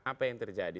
apa yang terjadi